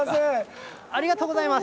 ありがとうございます。